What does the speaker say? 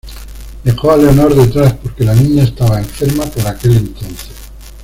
Dejó a Leonor detrás porque la niña estaba enferma por aquel entonces.